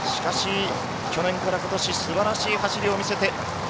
去年からことし、すばらしい走りを見せました。